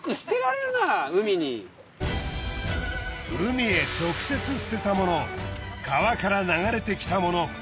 海へ直接捨てたもの川から流れてきたもの。